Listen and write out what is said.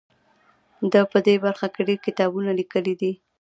ده په دې برخه کې ډیر کتابونه لیکلي دي.